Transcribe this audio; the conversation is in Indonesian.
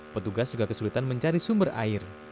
petugas juga kesulitan mencari sumber air